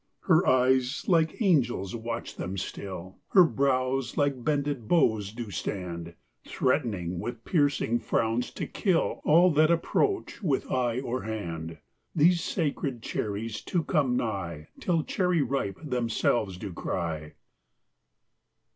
Her eyes like angels watch them still; Her brows like bended bows do stand, Threat'ning with piercing frowns to kill All that approach with eye or hand These sacred cherries to come nigh, Till Cherry Ripe themselves do cry.